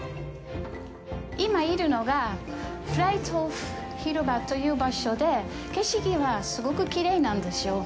今いるのがフレイトホフ広場という場所で景色がすごくきれいなんですよ。